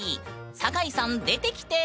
坂井さん出てきて！